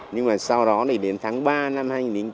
nhưng mà sau đó thì đến tháng ba năm hai nghìn chín